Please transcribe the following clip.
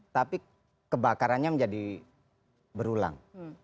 tapi kebakarannya menjadi berulang